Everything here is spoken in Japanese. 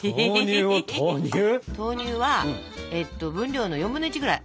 豆乳は分量の４分の１ぐらい。